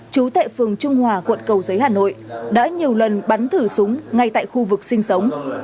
chú tại phường trung hòa quận cầu giấy hà nội đã nhiều lần bắn thử súng ngay tại khu vực sinh sống